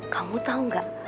kamu tau ga